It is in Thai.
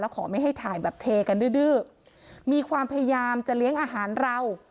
ขอไม่ให้ถ่ายแบบเทกันดื้อมีความพยายามจะเลี้ยงอาหารเรา